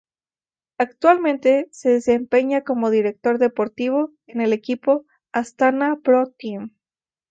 Actualmente se desempeña como director deportivo en el equipo Astana Pro Team.